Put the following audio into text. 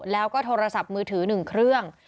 แล้วก็โทรศัพท์มือถือ๑เครื่อง